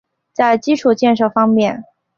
在基础建设方面